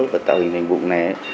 và tạo hình thành vụng này